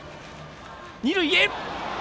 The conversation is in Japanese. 二塁へ！